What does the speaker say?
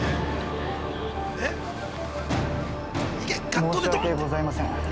◆申し訳ございません。